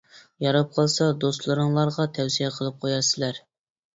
ياراپ قالسا دوستلىرىڭلارغا تەۋسىيە قىلىپ قويارسىلەر.